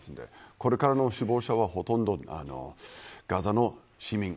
これからの死亡者は、ほとんどガザの市民。